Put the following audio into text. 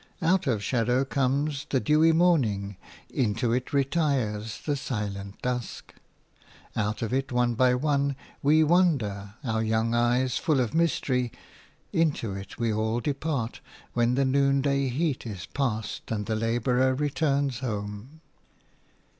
Out of shadow comes the dewy morning; into it retires the silent dusk. Out of it, one by one, we wander, our young eyes full of mystery; into it we all depart, when the noonday heat is past and the labourer turns home.